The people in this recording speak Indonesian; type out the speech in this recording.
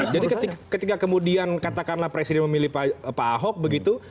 jadi ketika kemudian kata karena presiden memilih pak ahok begitu